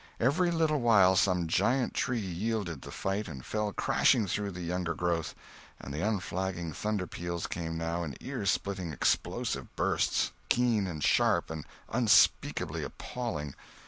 Every little while some giant tree yielded the fight and fell crashing through the younger growth; and the unflagging thunderpeals came now in ear splitting explosive bursts, keen and sharp, and unspeakably appalling.